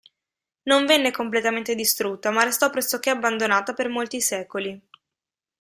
Non venne completamente distrutta, ma restò pressoché abbandonata per molti secoli.